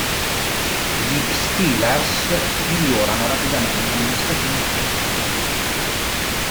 Gli Steelers migliorarono rapidamente nelle stagioni successive.